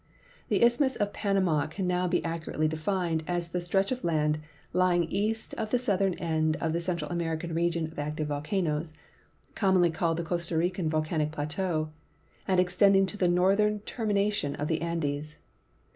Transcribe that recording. The isthmus of Panama can now be accurately defined as the stretch of land l3ung east of the southern end of the Central American region of active volcanoes (commonly called the Costa Rican volcanic plateau) and extending to the northern termi nation of the Andes.